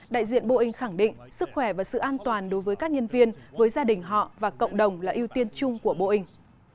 đại diện boeing khẳng định sức khỏe và sự an toàn đối với các nhân viên với gia đình họ và cộng đồng là ưu tiên chung của boeing